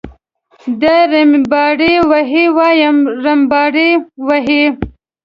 دی رمباړې وهي وایم رمباړې وهي.